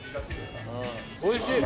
おいしい！